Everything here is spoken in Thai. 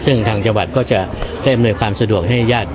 ซึ่งทางจังหวัดก็จะได้อำนวยความสะดวกให้ญาติ